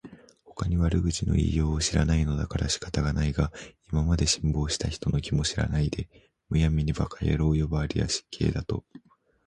ほかに悪口の言いようを知らないのだから仕方がないが、今まで辛抱した人の気も知らないで、無闇に馬鹿野郎呼ばわりは失敬だと思う